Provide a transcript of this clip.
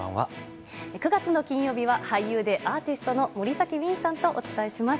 ９月の金曜日は、俳優でアーティストの森崎ウィンさんとお伝えします。